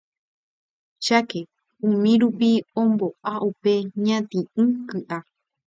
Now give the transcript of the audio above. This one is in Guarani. Cháke umírupi ombo'a upe ñati'ũ ky'a